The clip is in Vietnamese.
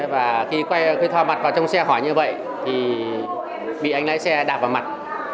và khi thoa mặt vào trong xe hỏi như vậy thì bị anh lái xe đạp vào mặt